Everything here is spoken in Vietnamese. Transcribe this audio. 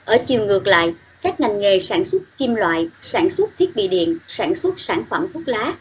ở chiều ngược lại các ngành nghề sản xuất kim loại sản xuất thiết bị điện sản xuất sản phẩm thuốc lá